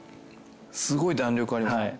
すごい弾力ありますね。